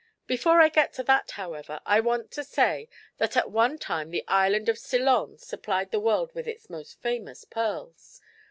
Before I get to that, however, I want to say that at one time the island of Ceylon supplied the world with its most famous pearls.